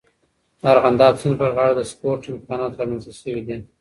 د ارغنداب سیند پر غاړه د سپورټ امکانات رامنځته سوي دي.